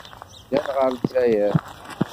Ddan ɣer Lezzayer.